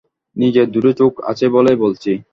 নিজের দুটো চোখ আছে বলেই বলছি।